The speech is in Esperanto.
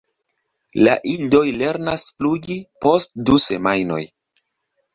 La idoj lernas flugi post du semajnoj.